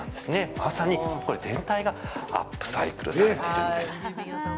まさにこれ全体がアップサイクルされているんです。